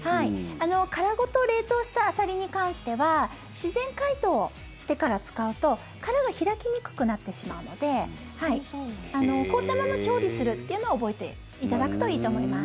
殻ごと冷凍したアサリに関しては自然解凍してから使うと殻が開きにくくなってしまうので凍ったまま調理するっていうのを覚えていただくといいと思います。